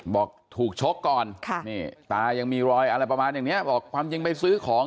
บอกถูกชกก่อนตายังมีรอยความจริงไปซื้อของ